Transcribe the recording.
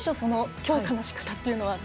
強化のしかたというのは。